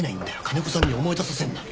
金子さんに思い出させんな。